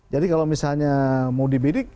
jadi kalau misalnya mau dibidik